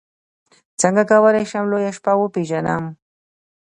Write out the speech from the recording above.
څنګه کولی شم لویه شپه وپېژنم